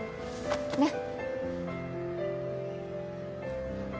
ねっ。